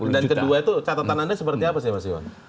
dan kedua itu catatan anda seperti apa sih mas iwan